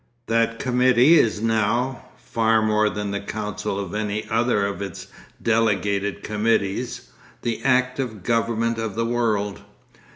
That committee is now, far more than the council of any other of its delegated committees, the active government of the world.